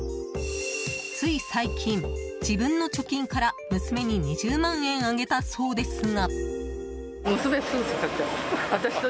つい最近、自分の貯金から娘に２０万円あげたそうですが。